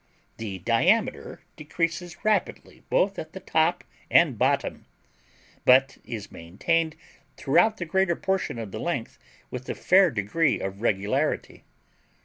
The diameter decreases rapidly both at the top and bottom, but is maintained throughout the greater portion of the length with a fair degree of regularity.